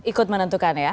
ikut menentukan ya